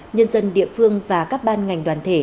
nhân dân địa phương và các ban ngành đoàn thể